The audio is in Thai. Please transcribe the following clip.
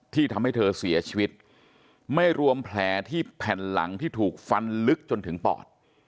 ที่ทำให้เธอเสียชีวิตไม่รวมแผลที่แผ่นหลังที่ถูกฟันลึกจนถึงปอด